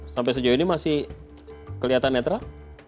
sampai sejauh ini masih kelihatan netral